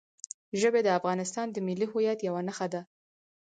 ژبې د افغانستان د ملي هویت یوه نښه ده.